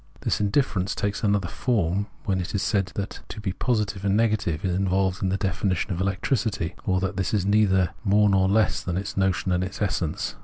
This indifference takes another form when it is said that to be positive and negative is involved in the definition of electricity, or that this is neither more nor less than its notion and its essence.